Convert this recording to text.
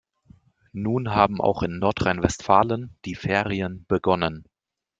Nun haben auch in Nordrhein-Westfalen die Ferien begonnen.